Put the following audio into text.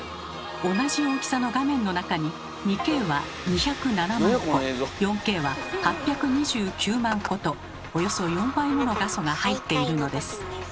同じ大きさの画面の中に２Ｋは２０７万個４Ｋは８２９万個とおよそ４倍もの画素が入っているのです。